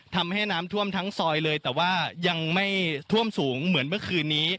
ทำให้น้ำท่วมทั้งซอยเลยแต่ว่ายังไม่ท่วมสูงเหมือนเมื่อคืนนี้